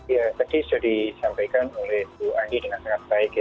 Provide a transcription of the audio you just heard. ya tadi sudah disampaikan oleh bu anggi dengan sangat baik ya